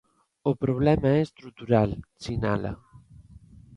O problema é estrutural, sinala.